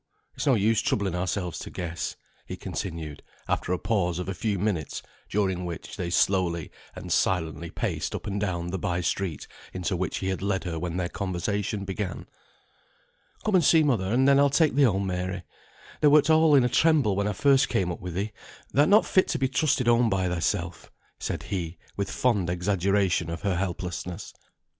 It's no use troubling ourselves to guess," he continued, after a pause of a few minutes, during which they slowly and silently paced up and down the by street, into which he had led her when their conversation began. "Come and see mother, and then I'll take thee home, Mary. Thou wert all in a tremble when first I came up with thee; thou'rt not fit to be trusted home by thyself," said he, with fond exaggeration of her helplessness.